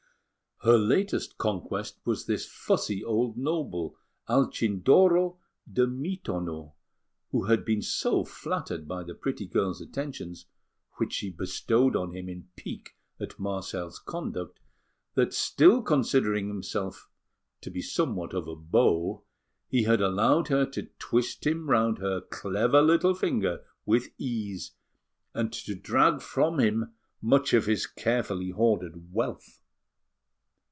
Her latest conquest was this fussy old noble, Alcindoro de Mitonneaux, who had been so flattered by the pretty girl's attentions, which she bestowed on him in pique at Marcel's conduct, that still considering himself to be somewhat of a beau, he had allowed her to twist him round her clever little finger with ease, and to drag from him much of his carefully hoarded wealth.